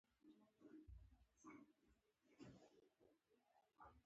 د هغې په ډډه باندې ډنمارک لیکل شوي وو.